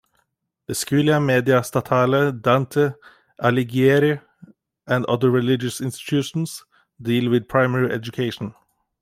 The Scuola Media Statale "Dante Alighieri" and other religious institutions deal with primary education.